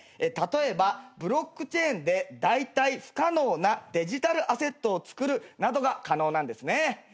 例えばブロックチェーンで代替不可能なデジタルアセットを作るなどが可能なんですね。